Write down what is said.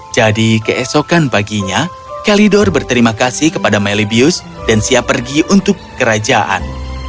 jadi keesokan paginya kalidor berterima kasih kepada melibius dan siap pergi untuk kerajaan